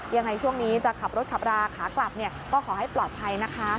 ยังไงช่วงนี้จะขับรถขับราขากลับก็ขอให้ปลอดภัยนะคะ